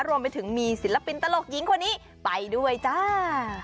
รวมไปถึงมีศิลปินตลกหญิงคนนี้ไปด้วยจ้า